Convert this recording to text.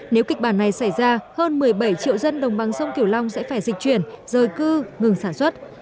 nếu kịch bản này xảy ra hơn một mươi bảy triệu dân đồng bằng sông kiểu long sẽ phải dịch chuyển rời cư ngừng sản xuất